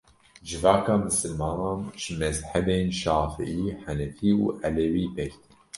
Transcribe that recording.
Civaka misilmanan ji mezhebên şafiî, henefî û elewî pêk tê.